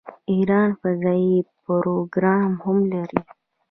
ایران فضايي پروګرام هم لري.